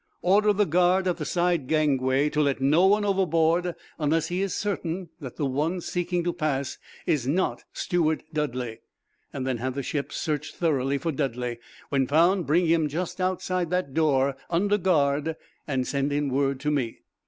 Order the guard at the side gangway to let no one overboard, unless he is certain that the one seeking to pass is not Steward Dudley. Then have the ship searched thoroughly for Dudley. When found, bring him just outside that door, under guard, and send in word to me."